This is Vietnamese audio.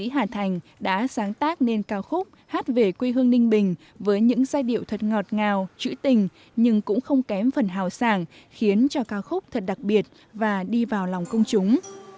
hà thành đã sáng tác nên ca khúc hát về quê hương ninh bình với những giai điệu thật ngọt ngào chữ tình nhưng cũng không kém phần hào sàng khiến cho ca khúc thật đặc biệt và đi vào lòng công chúng